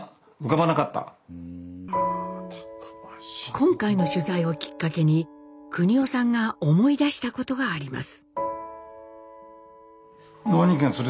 今回の取材をきっかけに國男さんが思い出したことがあります。